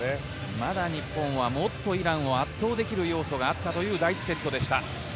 まだ日本はもっとイランを圧倒できる要素があったという第１セットでした。